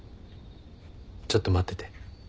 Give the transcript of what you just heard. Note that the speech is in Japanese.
ちょっと待ってて。